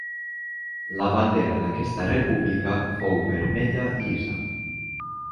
La bandera d'aquesta república fou vermella llisa.